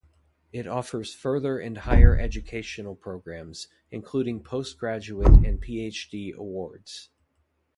It offers further and higher education programmes, including postgraduate and PhD awards.